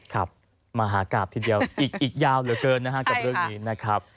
ครับมหากราบทีเดียวอีกยาวเหลือเกินนะฮะกับเรื่องนี้นะครับ